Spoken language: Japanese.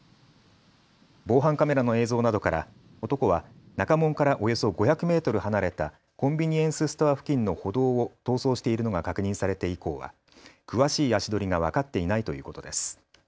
防犯カメラの映像などから男は中門からおよそ５００メートル離れたコンビニエンスストア付近の歩道を逃走しているのが確認されて以降は詳しい足取りが分かっていないということです。